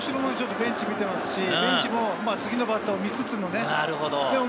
大城はベンチを見ていますし、ベンチも次のバッターを見つつね。